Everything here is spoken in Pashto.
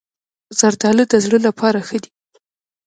زردالو د زړه لپاره ښه ده.